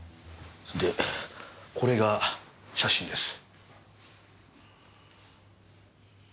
でこれが写真です。